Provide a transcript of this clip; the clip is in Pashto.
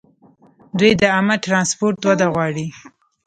دوی د عامه ټرانسپورټ وده غواړي.